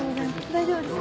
大丈夫です。